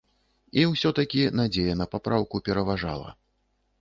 І ўсё-такі надзея на папраўку пераважала.